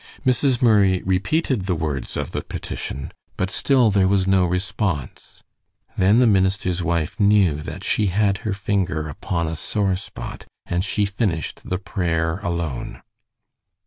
Mrs. Murray repeated the words of the petition, but still there was no response. Then the minister's wife knew that she had her finger upon a sore spot, and she finished the prayer alone.